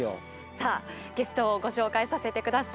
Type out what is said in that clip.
さあゲストをご紹介させて下さい。